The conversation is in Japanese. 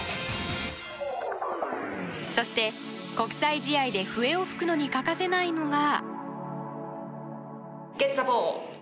そして、国際試合で笛を吹くのに欠かせないのが。